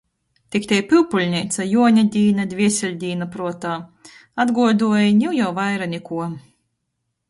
Tik tei Pyupuļneica, Juoņadīna, Dvieseļdīna pruotā. Atguoduoji, niu jau vaira nikuo.